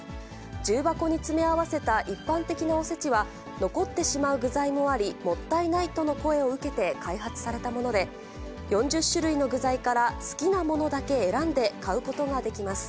重箱に詰め合わせた一般的なおせちは、残ってしまう具材もあり、もったいないとの声を受けて開発されたもので、４０種類の具材から好きなものだけ選んで買うことができます。